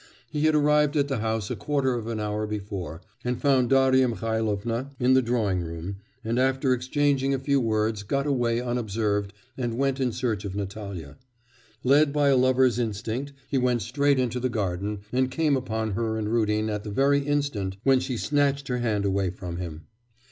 He had arrived at the house a quarter of an hour before, and found Darya Mihailovna in the drawing room; and after exchanging a few words got away unobserved and went in search of Natalya. Led by a lover's instinct, he went straight into the garden and came upon her and Rudin at the very instant when she snatched her hand away from him.